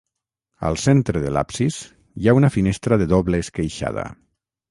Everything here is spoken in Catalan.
Al centre de l'absis hi ha una finestra de doble esqueixada.